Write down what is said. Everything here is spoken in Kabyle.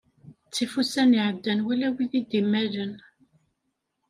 Ttif ussan iɛeddan wala wid d-immalen.